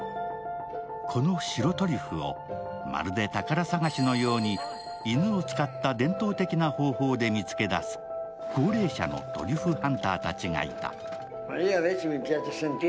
この白トリュフをまるで宝探しのように犬を使った伝統的な方法で見つけ出す高齢者のトリュフハンターたちがいた。